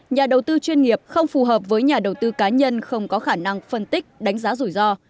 nhà đầu tư chuyên nghiệp không phù hợp với nhà đầu tư cá nhân không có khả năng phân tích đánh giá rủi ro